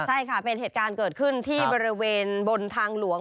ใช่ค่ะเป็นเหตุการณ์เกิดขึ้นที่บริเวณบนทางหลวง